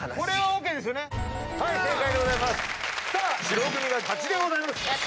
白組が勝ちでございます。